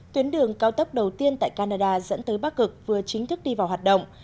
tuyến đường cao tốc đầu tiên tại canada dẫn tới bắc cực vừa chính thức đi vào hoạt động